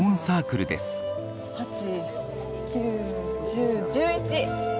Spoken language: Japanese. ８９１０１１！